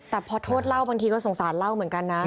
แต่พอโทษเล่าบางทีก็สงสารเล่าเหมือนกันนะ